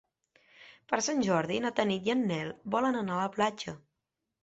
Per Sant Jordi na Tanit i en Nel volen anar a la platja.